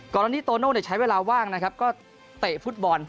ก่อนหน้านี้โตโน่ใช้เวลาว่างนะครับก็เตะฟุตบอล